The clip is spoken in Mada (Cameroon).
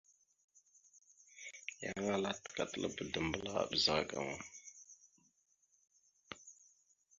Yan ala təkatalba dambəla a ɓəzagaam a.